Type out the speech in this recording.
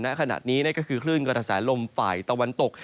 นักขณะนี้ก็คือเคลื่อนกระแสลมฝ่ายตะวันตก